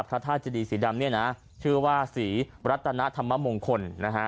พระทาสเจดีสีดำเนี้ยนะชื่อว่าสีระตนะทำมางคลนะฮะ